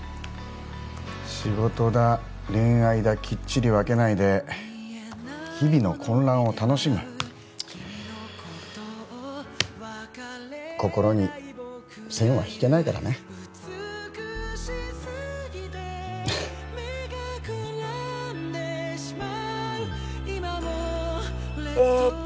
仕事だ恋愛だきっちり分けないで日々の混乱を楽しむ心に線は引けないからねえっと